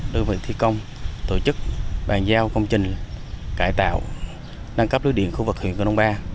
đơn vị thi công tổ chức bàn giao công trình cải tạo nâng cấp lưới điện khu vực huyện cơ nông ba